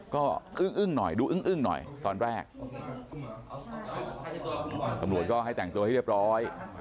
ก็อึ๊งหน่อยดูอึ้งหน่อยตอนแรกทำกุมบอกก็ก็ให้แต่งตัวให้เรียบร้อย